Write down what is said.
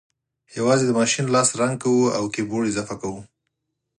یوازې د ماشین لاس رنګ کوو او کیبورډ اضافه کوو